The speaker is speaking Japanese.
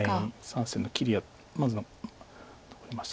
３線の切りがまず残りました。